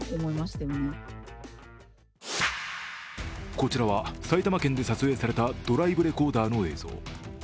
こちらは埼玉県で撮影されたドライブレコーダーの映像。